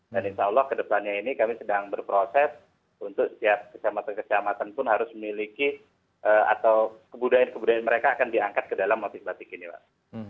dan insya allah kedepannya ini kami sedang berproses untuk setiap kecamatan kecamatan pun harus memiliki atau kebudayaan kebudayaan mereka akan diangkat ke dalam batik batik ini pak